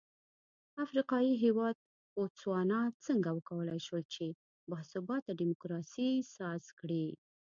افریقايي هېواد بوتسوانا څنګه وکولای شول چې با ثباته ډیموکراسي ساز کړي.